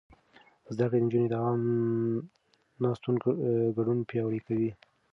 زده کړې نجونې د عامه ناستو ګډون پياوړی کوي.